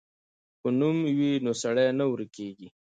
که نوم وي نو سړی نه ورکېږي.